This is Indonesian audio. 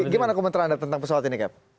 gimana komentar anda tentang pesawat ini cap